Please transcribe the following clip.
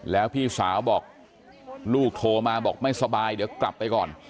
แล้วพี่สาวบอกลูกโทรมาบอกไม่สบายเดี๋ยวกลับไปก่อน